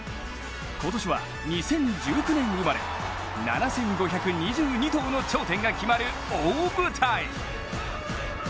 今年は２０１９年生まれ７５２２頭の頂点が決まる大舞台。